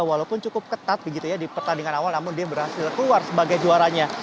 walaupun cukup ketat begitu ya di pertandingan awal namun dia berhasil keluar sebagai juaranya